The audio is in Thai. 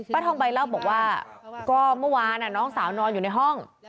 ทองใบเล่าบอกว่าก็เมื่อวานน้องสาวนอนอยู่ในห้อง